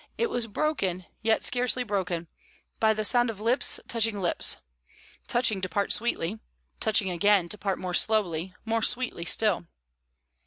It was broken, yet scarcely broken, by the sound of lips touching lips touching to part sweetly, touching again to part more slowly, more sweetly still.